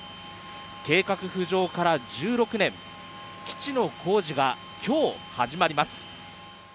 計画浮上から１６年基地の工事が今日始まります。